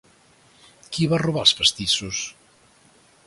Qui va robar els pastissos?